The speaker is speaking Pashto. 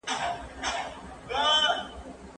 ولي کوښښ کوونکی د مخکښ سړي په پرتله ښه ځلېږي؟